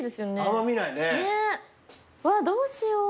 うわどうしよう。